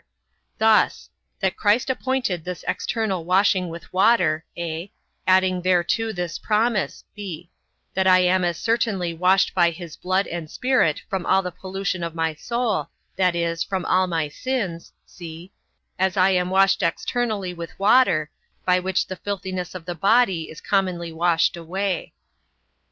Thus: That Christ appointed this external washing with water, (a) adding thereto this promise, (b) that I am as certainly washed by his blood and Spirit from all the pollution of my soul, that is, from all my sins, (c) as I am washed externally with water, by which the filthiness of the body is commonly washed away.